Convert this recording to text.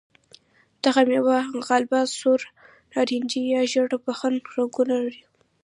دغه مېوه غالباً سور، نارنجي یا ژېړ بخن رنګونه لري.